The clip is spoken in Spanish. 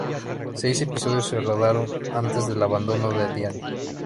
Seis episodios se rodaron antes del abandono de Diane.